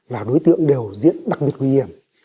là đối tượng đều diễn đặc biệt nguy hiểm